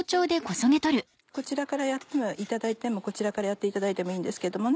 こちらからやっていただいてもこちらからやっていただいてもいいんですけどもね。